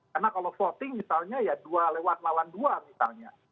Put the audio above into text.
karena kalau voting misalnya ya dua lewat lawan dua misalnya